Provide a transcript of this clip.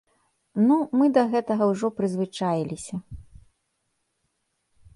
Ну, мы да гэтага ўжо прызвычаіліся.